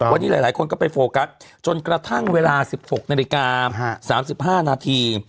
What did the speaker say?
วันนี้หลายคนก็ไปโฟกัสจนกระทั่งเวลา๑๖นาฬิกา๓๕นาที